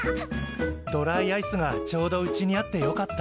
ドライアイスがちょうどうちにあってよかった。